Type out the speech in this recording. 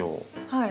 はい。